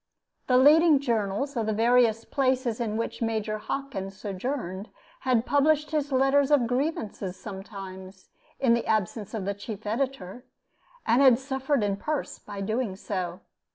The leading journals of the various places in which Major Hockin sojourned had published his letters of grievances sometimes, in the absence of the chief editor, and had suffered in purse by doing so.